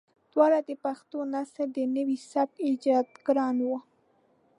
دواړه د پښتو نثر د نوي سبک ايجادګران وو.